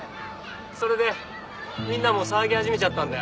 それでみんなも騒ぎ始めちゃったんだよ。